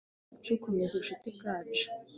rwacu, komeza ubucuti bwacu